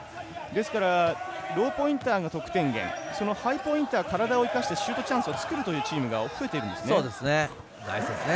ローポインターの得点源ハイポインター体を生かしてシュートチャンスを作るチームが増えているんですね。